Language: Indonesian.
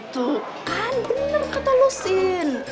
tuh kan bener kata lo sin